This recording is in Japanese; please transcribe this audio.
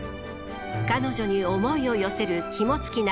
彼女に思いを寄せる肝付尚